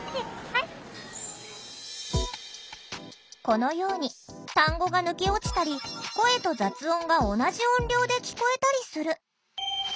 このように単語が抜け落ちたり声と雑音が同じ音量で聞こえたりする。